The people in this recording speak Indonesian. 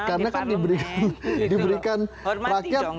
karena kan diberikan rakyat